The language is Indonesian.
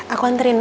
aku anterin ya